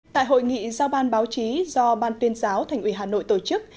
tại hội nghị giao ban báo chí do ban tuyên giáo thành ủy hà nội tổ chức